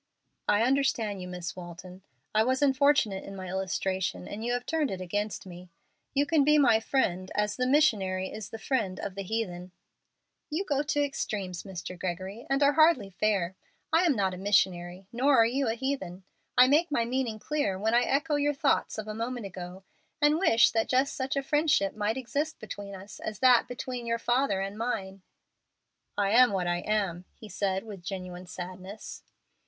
"I understand you, Miss Walton. I was unfortunate in my illustration, and you have turned it against me. You can be my friend, as the missionary is the friend of the heathen." "You go to extremes, Mr. Gregory, and are hardly fair. I am not a missionary, nor are you a heathen. I make my meaning clear when I echo your thought of a moment ago, and wish that just such a friendship might exist between us as that between your father and mine." "I am what I am," he said, with genuine sadness.